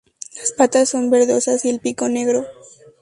Las patas son verdosas y el pico, negro.